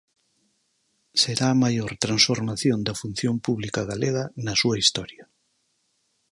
Será a maior transformación da función pública galega na súa historia.